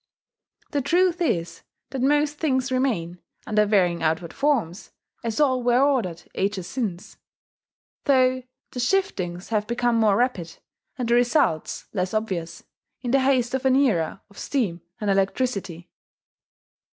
The truth is that most things remain, under varying outward forms, "as all were ordered, ages since," though the shiftings have become more rapid, and the results less obvious, in the haste of an era of steam and electricity.